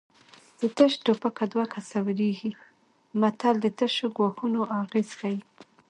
د تش ټوپکه دوه کسه ویرېږي متل د تشو ګواښونو اغېز ښيي